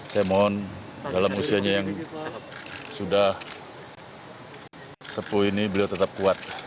saya mohon dalam usianya yang sudah sepuh ini beliau tetap kuat